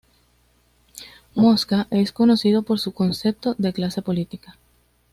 Mosca es conocido por su concepto de clase política.